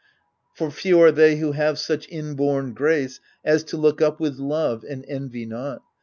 For few are they who have such inborn grace, As to look up with love, and envy not.